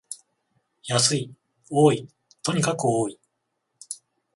安い、多い、とにかく多い